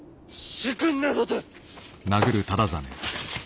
主君などと！